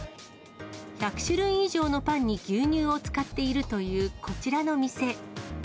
１００種類以上のパンに牛乳を使っているというこちらの店。